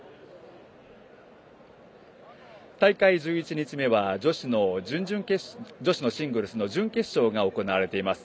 大会１１日目は女子シングルスの準決勝が行われています。